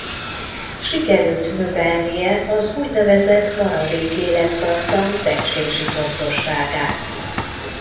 Sikerült növelnie az úgynevezett maradék élettartam becslési pontosságát.